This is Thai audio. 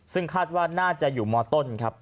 ซึ่งคาดว่าน่าจะอยู่มต้นครับ